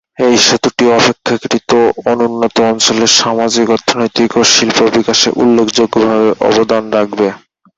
এই সেতুটি অপেক্ষাকৃত অনুন্নত অঞ্চলের সামাজিক, অর্থনৈতিক ও শিল্প বিকাশে উল্লেখযোগ্যভাবে অবদান রাখবে।